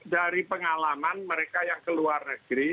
dari pengalaman mereka yang keluar negeri